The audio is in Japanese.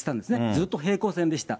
ずっと平行線でした。